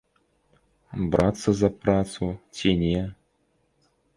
Брацца за працу ці не?